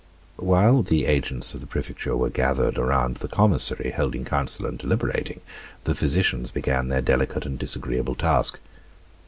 While the agents of the prefecture were gathered around the commissary, holding council and deliberating, the physicians began their delicate and disagreeable task.